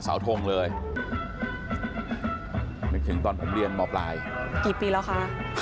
สาวทงเลยถึงตอนผมเรียนมอปลายหลายปีแล้วค่ะ